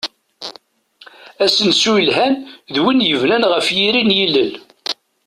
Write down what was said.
Asensu yelhan d win yebnan ɣef yiri n yilel.